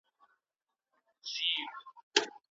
قلمي خط د محرمیت د ساتلو ضمانت کوي.